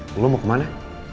mel lo mau kemana